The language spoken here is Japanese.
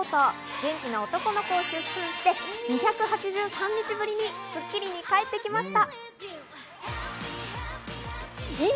元気な男の子を出産して２８３日ぶりに『スッキリ』に帰ってきました。